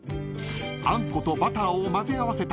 ［あんことバターをまぜ合わせた］